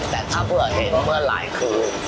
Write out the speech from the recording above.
แต่ถ้าเผื่อเห็นเมื่อไหร่คือ